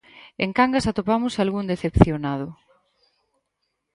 En Cangas atopamos algún decepcionado.